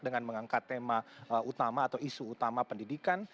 dengan mengangkat tema utama atau isu utama pendidikan